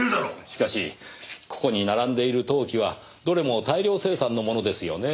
しかしここに並んでいる陶器はどれも大量生産のものですよね。